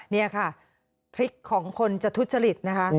นี่ค่ะพริกของคนจะทุจริตนะคะ